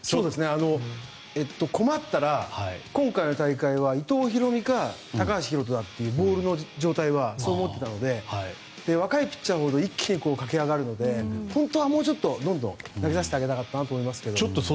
困ったら今回の大会は伊藤大海か高橋宏斗だっていうボールの状態はそう思っていたので若いピッチャーほど一気に駆け上がるので本当はもうちょっとどんどん投げさせたかったなと思ってたんですが。